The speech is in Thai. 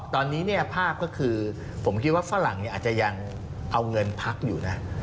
ตอนนี้เนี่ยภาพก็คือผมคิดว่าฝรั่งอาจจะยังเอาเงินพักอยู่นะ